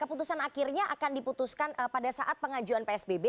keputusan akhirnya akan diputuskan pada saat pengajuan psbb